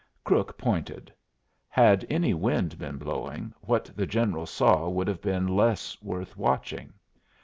Crook pointed. Had any wind been blowing, what the General saw would have been less worth watching.